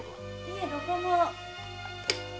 いぇどこも。